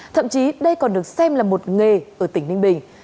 thậm chí đây còn được xem là một nghề ở tỉnh ninh bình